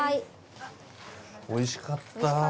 おいしかった。